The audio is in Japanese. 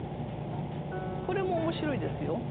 これも面白いですよ。